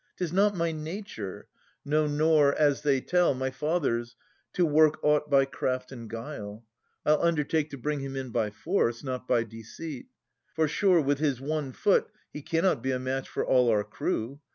'Tis not my nature, no, nor, as they tell, My father's, to work aught by craft and guile. I'll undertake to bring him in by force, Not by deceit. For, sure, with his one foot. He cannot be a match for all our crew.